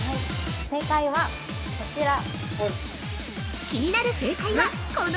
◆正解は、こちら。